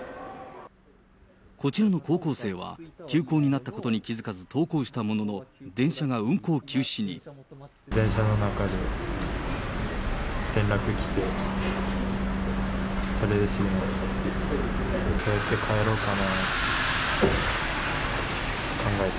こちらの高校生は、休校になったことに気付かず、登校したものの、電車の中で連絡来て、それで知りました。